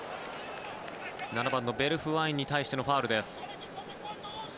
７番のベルフワインに対してのファウルです。